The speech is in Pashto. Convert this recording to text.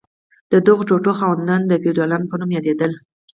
د دغو ټوټو خاوندان د فیوډالانو په نوم یادیدل.